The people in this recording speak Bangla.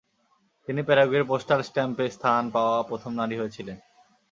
তিনি প্যারাগুয়ের পোস্টাল স্ট্যাম্পে স্থান পাওয়া প্রথম নারী হয়েছিলেন।